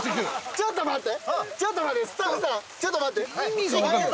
ちょっと待って。